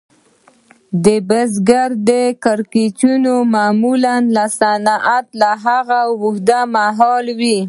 د بزګرۍ کړکېچونه معمولاً له صنعتي هغو اوږد مهاله وي